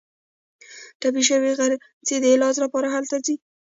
ټپي شوې غرڅنۍ د علاج لپاره هلته ځي.